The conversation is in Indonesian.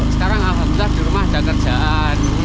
sekarang alhamdulillah di rumah ada kerjaan